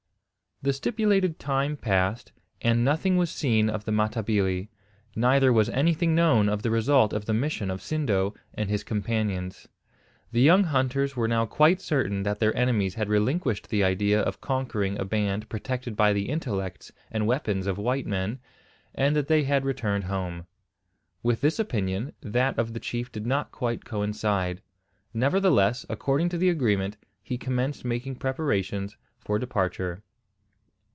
The stipulated time passed, and nothing was seen of the Matabili; neither was anything known of the result of the mission of Sindo and his companions. The young hunters were now quite certain that their enemies had relinquished the idea of conquering a band protected by the intellects and weapons of white men, and that they had returned home. With this opinion, that of the chief did not quite coincide. Nevertheless, according to the agreement, he commenced making preparations for departure.